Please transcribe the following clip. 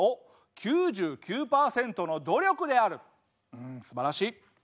うんすばらしい。